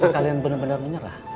kalian benar benar menyerah